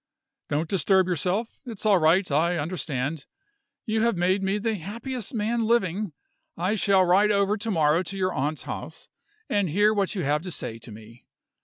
Don't disturb yourself: it's all right I understand. You have made me the happiest man living. I shall ride over to morrow to your aunt's house, and hear what you have to say to me.